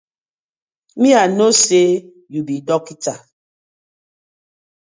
Mi I no say yu bi dokta.